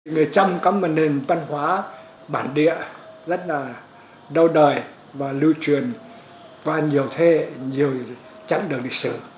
người trăm có một nền văn hóa bản địa rất là đau đời và lưu truyền và nhiều thê nhiều trắng đường lịch sử